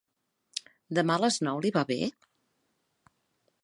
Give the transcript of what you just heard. Demà a les nou li va bé?